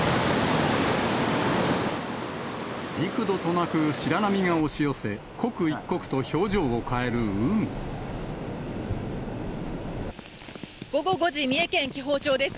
幾度となく白波が押し寄せ、午後５時、三重県紀宝町です。